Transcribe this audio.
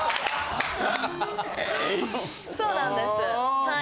そうなんですはい。